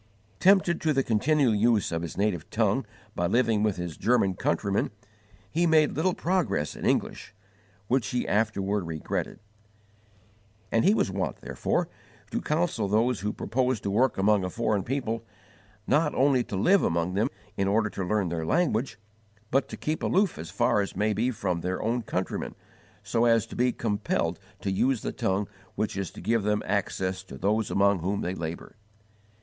Tempted to the continual use of his native tongue by living with his German countrymen, he made little progress in English, which he afterward regretted; and he was wont, therefore, to counsel those who propose to work among a foreign people, not only to live among them in order to learn their language, but to keep aloof as far as may be from their own countrymen, so as to be compelled to use the tongue which is to give them access to those among whom they labour.